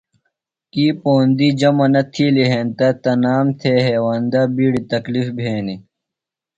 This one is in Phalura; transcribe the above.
کی پوندیۡ جمع نہ تِھیلیۡ ہینتہ تنام تھےۡ ہیوندہ بِیڈیۡ تکلِف بھینیۡ۔